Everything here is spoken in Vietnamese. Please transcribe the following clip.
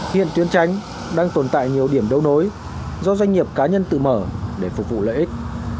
hiện tuyến tránh đang tồn tại nhiều điểm đấu nối do doanh nghiệp cá nhân tự mở để phục vụ lợi ích